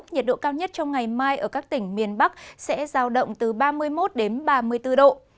nhiệt độ cao nhất trong ngày mai ở các tỉnh miền bắc sẽ giao động từ ba mươi một ba mươi bốn độ